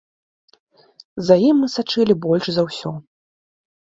За ім мы сачылі больш за ўсё.